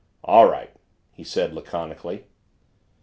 "All right," he said laconically.